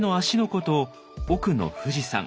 湖と奥の富士山。